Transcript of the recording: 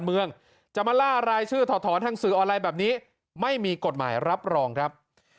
เมืองจะมาล่ารายชื่อถอดถอนทางสื่อออนไลน์แบบนี้ไม่มีกฎหมายรับรองครับ